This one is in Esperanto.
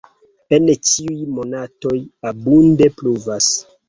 En ĉiuj monatoj abunde pluvas.